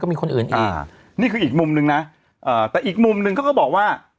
มีคนอื่นอีกอ่านี่คืออีกมุมนึงนะเอ่อแต่อีกมุมหนึ่งเขาก็บอกว่า